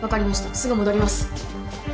すぐ戻ります。